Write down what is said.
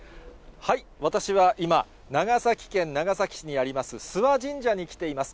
私は今、長崎県長崎市にあります諏訪神社に来ています。